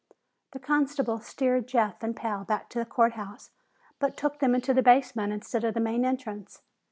The constable steered Jeff and Pal back to the court house but took them into the basement, instead of the main entrance.